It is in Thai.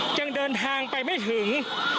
ยังเดินทางไปไม่ถึง